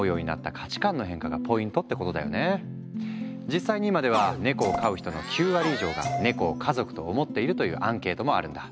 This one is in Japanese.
実際に今ではネコを飼う人の９割以上が「ネコを家族」と思っているというアンケートもあるんだ。